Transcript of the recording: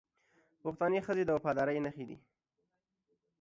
پښتنې ښځې د وفادارۍ نښې دي